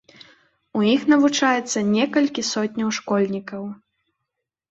У іх навучаецца некалькі сотняў школьнікаў.